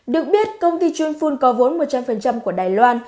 được biết công ty chunfun có vốn một trăm linh của đài loan